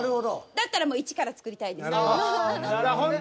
だったら一から作りたい。